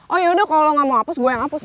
oh ya udah kalo lo gak mau apus gue yang apus